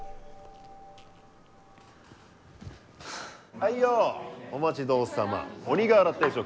はいよお待ち遠さま鬼瓦定食。